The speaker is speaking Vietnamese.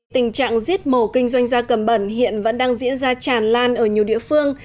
tình trạng giết mổ kinh doanh gia cầm bẩn hiện vẫn đang diễn ra tràn lan ở nhiều địa phương